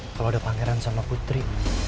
kalau ada pangeran sama putri